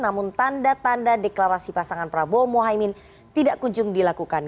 namun tanda tanda deklarasi pasangan prabowo mohaimin tidak kunjung dilakukan